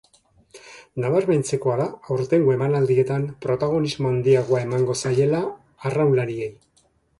Nabarmentzekoa da aurtengo emanaldietan protagonismo handiagoa emango zaiela arraunlariei.